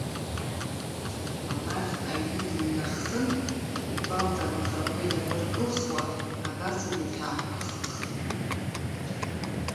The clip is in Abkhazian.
Лад аҩны длыҩнаххын, ипалта амаӷрақәа инапы ркылхуа, абарҵа деиҭаақәыххыхт.